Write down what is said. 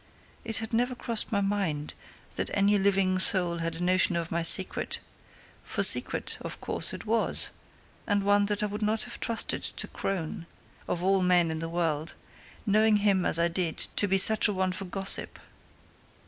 It had never crossed my mind that any living soul had a notion of my secret for secret, of course, it was, and one that I would not have trusted to Crone, of all men in the world, knowing him as I did to be such a one for gossip.